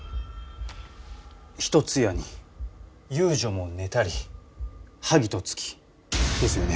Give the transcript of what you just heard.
「一つ家に遊女も寝たり萩と月」ですよね？